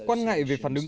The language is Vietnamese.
quan ngại về phản ứng